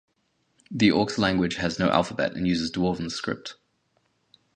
The orcs' language has no alphabet and uses Dwarven script.